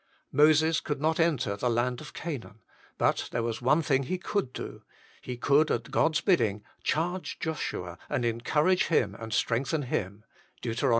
Moses could not enter the land of Canaan, but there was one thing he could do : he could at God s bidding " charge Joshua, and encourage him, and strengthen him" (Deut.